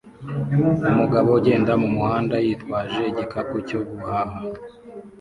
Umugabo ugenda mumuhanda yitwaje igikapu cyo guhaha